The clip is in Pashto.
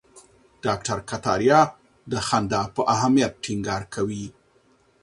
ډاکټر کتاریا د خندا په اهمیت ټینګار کوي.